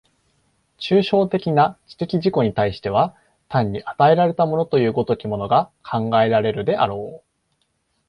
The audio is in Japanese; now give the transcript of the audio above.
抽象的な知的自己に対しては単に与えられたものという如きものが考えられるであろう。